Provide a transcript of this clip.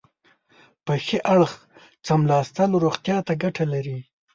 په ښي اړخ څملاستل روغتیایي ګټې لري.